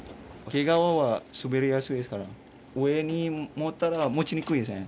毛が滑りやすいから、上に持ったら持ちにくいですね。